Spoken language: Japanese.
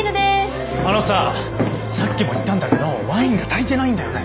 あのささっきも言ったんだけどワインが足りてないんだよね。